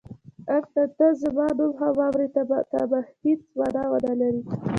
آن که ته زما نوم هم واورې تا ته به هېڅ مانا ونه لري.